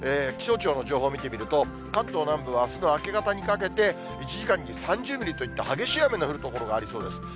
気象庁の情報見てみると、関東南部はあすの明け方にかけて、１時間に３０ミリといった激しい雨の降る所がありそうです。